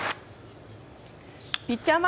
ピッチャー前。